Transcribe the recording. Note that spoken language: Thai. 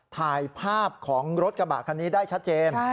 ถ่ายภาพของรถกระบะคันนี้ได้ชัดเจน